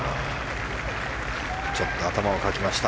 ちょっと頭をかきました。